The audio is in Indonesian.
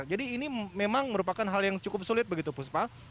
jadi ini memang merupakan hal yang cukup sulit begitu puspa